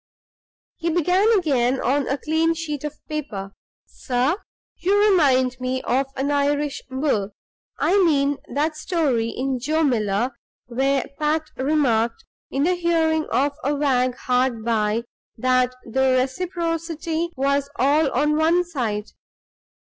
He began again on a clean sheet of paper. "Sir You remind me of an Irish bull. I mean that story in 'Joe Miller' where Pat remarked, in the hearing of a wag hard by, that 'the reciprocity was all on one side.